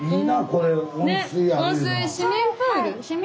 これ。